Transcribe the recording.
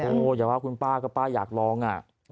โอ้โหอย่าว่าคุณป้าก็ป้าอยากลองอ่ะ